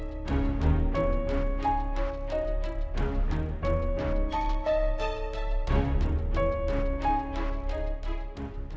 kamu mau jatuh